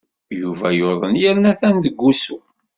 Yuba yuḍen yerna atan deg wusu.